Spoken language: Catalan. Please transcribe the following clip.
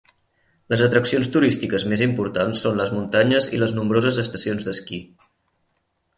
Les atraccions turístiques més importants són les muntanyes i les nombroses estacions d'esquí.